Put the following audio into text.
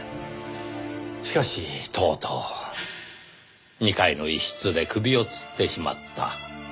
しかしとうとう２階の一室で首を吊ってしまった。